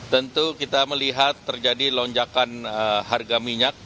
tentu kita melihat terjadi lonjakan harga minyak